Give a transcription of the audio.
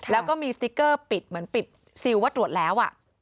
แล้วก็มีสติ๊กเกอร์ปิดเหมือนปิดซิลว่าตรวจแล้ว